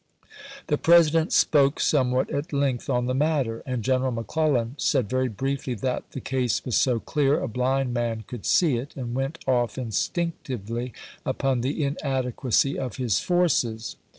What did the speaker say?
The President spoke somewhat at length on the matter, and General McClellan said very briefly that " the case was so clear a blind man could see it," and went off instinctively upon the inadequacy of his forces.